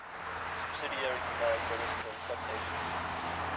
Subsidiary commands are listed on sub-pages.